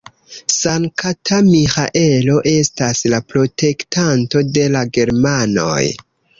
Sankta Miĥaelo estas la protektanto de la germanoj.